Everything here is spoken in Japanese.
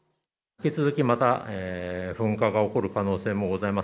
引き続き、また噴火が起こる可能性もございます。